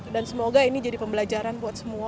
dan semoga ini jadi pembelajaran buat semua